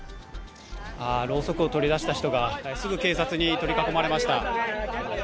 ろうそくを取り出した人がすぐ警察に取り囲まれました。